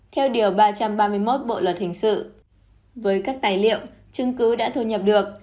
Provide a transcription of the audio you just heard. theo điều ba trăm ba mươi một bộ luật hình sự với các tài liệu chứng cứ đã thu nhập được